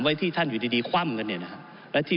และที่ท่านบอกว่าการสงหวนสิทธิ์